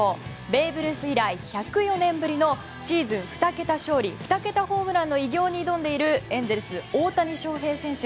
ベーブ・ルース以来１０４年ぶりのシーズン２桁勝利２桁ホームランの偉業に挑んでいるエンゼルス、大谷翔平選手。